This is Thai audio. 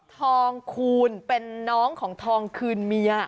ทองคูณเป็นน้องของทองคืนเมีย